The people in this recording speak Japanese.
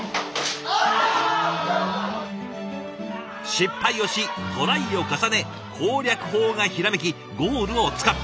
失敗をしトライを重ね攻略法がひらめきゴールをつかむ。